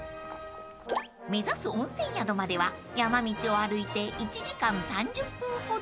［目指す温泉宿までは山道を歩いて１時間３０分ほど］